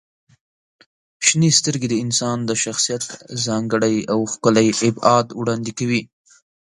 • شنې سترګې د انسان د شخصیت ځانګړی او ښکلی ابعاد وړاندې کوي.